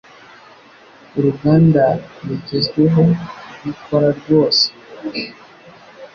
Uruganda rugezweho rwikora rwose.